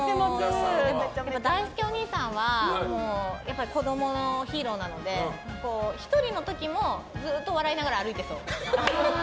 だいすけおにいさんは子供のヒーローなので１人の時もずっと笑いながら歩いてそう。